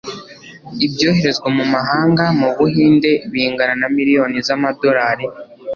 Ibyoherezwa mu mahanga mu Buhinde bingana na miliyoni z'amadolari